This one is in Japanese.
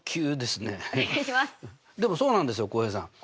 でもそうなんですよ浩平さん。